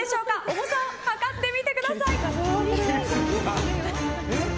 重さを量ってみてください。